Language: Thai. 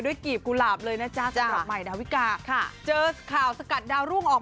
กีบกุหลาบเลยนะจ๊ะสำหรับใหม่ดาวิกาค่ะเจอข่าวสกัดดาวรุ่งออก